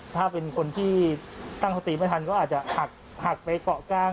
ถ้าเป็นคนที่ตั้งสติไม่ทันก็อาจจะหักไปเกาะกลาง